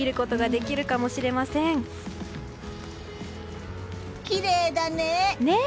きれいだね！ね！